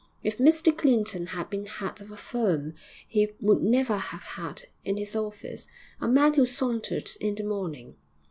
If Mr Clinton had been head of a firm, he would never have had in his office a man who sauntered in the morning.